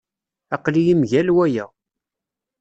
Aql-iyi mgal waya.